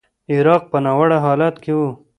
عراق په ناوړه حالت کې و.